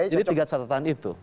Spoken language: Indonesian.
jadi tiga catatan itu